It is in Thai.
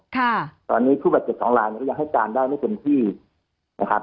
ค่ะตอนนี้ผู้บาดเจ็บสองลายเนี่ยก็ยังให้การได้ไม่เต็มที่นะครับ